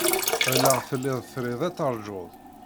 Ɣileɣ tellid trid ad teṛjud.